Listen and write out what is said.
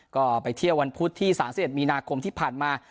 ก็ไปเที่ยววันพุธที่๓๑มีนาคมที่ผ่านมา